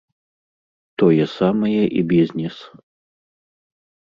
Тое самае і бізнес.